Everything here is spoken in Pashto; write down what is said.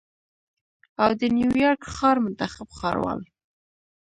او د نیویارک ښار منتخب ښاروال